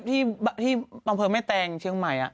ที่บำเพิร์นไม่แตงเชียงใหม่